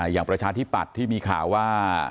อย่างประชาธิปัตธิ์ที่มีข่าวว่า